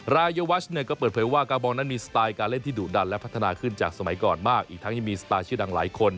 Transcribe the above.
รายวัชเนี่ยก็เปิดเผยว่ากาบองนั้นมีสไตล์การเล่นที่ดุดันและพัฒนาขึ้นจากสมัยก่อนมากอีกทั้งยังมีสไตล์ชื่อดังหลายคน